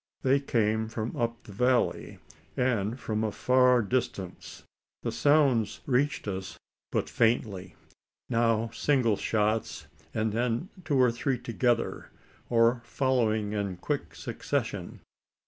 They came from up the valley, and from a far distance. The sounds reached us but faintly now single shots, and then two or three together, or following in quick succession.